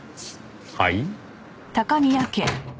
はい？